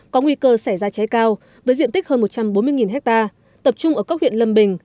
có nguy cơ xảy ra cháy cao với diện tích hơn một trăm bốn mươi ha tập trung ở các huyện lâm bình